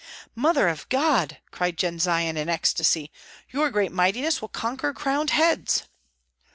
"Mother of God!" cried Jendzian, in ecstasy. "Your great mightiness will conquer crowned heads!"